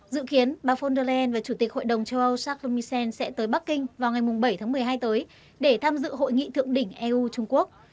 dự kiến bà von der leyen và chủ tịch hội đồng châu âu charles misen sẽ tới bắc kinh vào ngày bảy tháng một mươi hai tới để tham dự hội nghị thượng đỉnh eu trung quốc